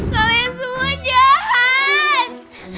kalian semua jahat